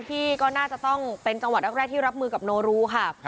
ที่ก็น่าจะต้องเป็นจังหวัดแรกที่รับมือกับโนรูค่ะ